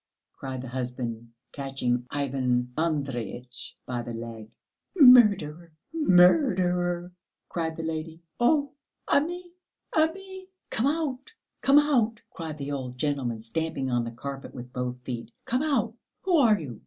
cried the husband, catching Ivan Andreyitch by the leg. "Murderer, murderer!" cried the lady. "Oh, Ami! Ami!" "Come out, come out!" cried the old gentleman, stamping on the carpet with both feet; "come out. Who are you?